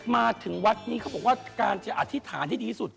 มาถึงวัดนี้เขาบอกว่าการจะอธิษฐานให้ดีที่สุด